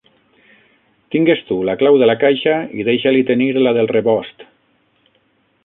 Tingues tu la clau de la caixa i deixa-li tenir la del rebost.